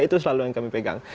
itu selalu yang kami pegang